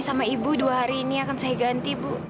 kamu dua hari ini akan saya ganti bu